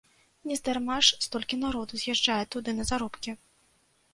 Нездарма ж столькі народу з'язджае туды на заробкі.